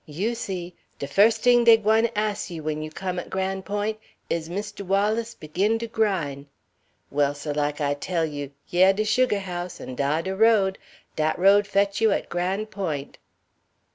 You see! de fust t'ing dey gwine ass you when you come at Gran' Point' 'Is Mistoo Wallis biggin to grind?' Well, seh, like I tell you, yeh de sugah house, an' dah de road. Dat road fetch you at Gran' Point'."